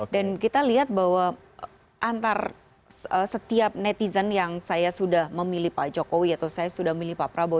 dan kita lihat bahwa antara setiap netizen yang saya sudah memilih pak jokowi atau saya sudah memilih pak prabowo